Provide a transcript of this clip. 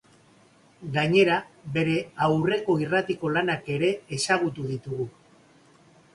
Gainera, bere aurreko irratiko lanak ere ezagutu ditugu.